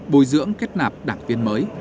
bồi dưỡng kết nạp đảng viên mới